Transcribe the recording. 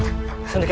tunggu agustin ratu